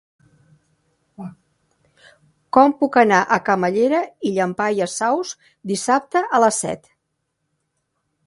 Com puc anar a Camallera i Llampaies Saus dissabte a les set?